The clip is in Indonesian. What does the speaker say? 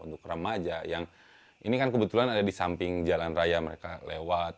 untuk remaja yang ini kan kebetulan ada di samping jalan raya mereka lewat